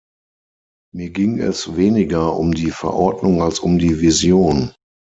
Mir ging es weniger um die Verordnung als um die Vision.